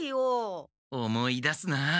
思い出すなあ。